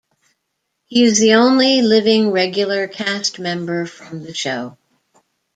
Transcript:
He is the only living regular cast member from the show.